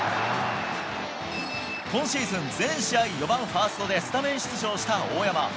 今シーズン全試合４番ファーストでスタメン出場した大山。